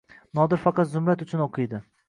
Nodir faqat Zumrad uchun o‘qiydi